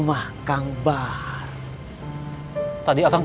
nah kita balulah